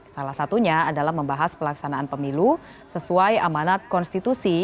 salah satunya adalah membahas pelaksanaan pemilu sesuai amanat konstitusi